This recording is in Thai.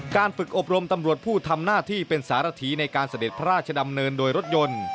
การฝึกอบรมตำรวจผู้ทำหน้าที่เป็นสารถีในการเสด็จพระราชดำเนินโดยรถยนต์